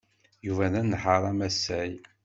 Yuba d anehhaṛ amasay.